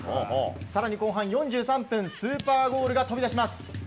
更に、後半４３分スーパーゴールが飛び出します。